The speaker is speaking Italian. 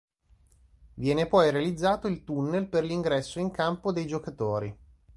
Viene poi realizzato il tunnel per l'ingresso in campo dei giocatori.